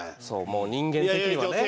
もう人間的にはね。